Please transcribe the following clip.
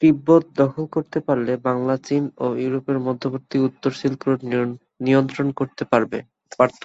তিব্বত দখল করতে পারলে বাংলা চীন ও ইউরোপের মধ্যবর্তী উত্তর সিল্ক রোড নিয়ন্ত্রণ করতে পারত।